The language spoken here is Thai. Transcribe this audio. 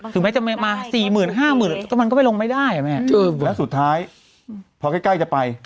ถึงแม้จะมาสี่หมื่นห้าหมื่นก็มันก็ไปลงไม่ได้อ่ะแม่แล้วสุดท้ายพอใกล้จะไป